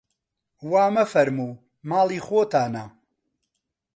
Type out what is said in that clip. وا مەفەرموو ماڵی خۆتانە